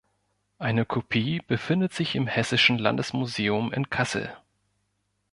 Eine Kopie befindet sich im hessischen Landesmuseum in Kassel.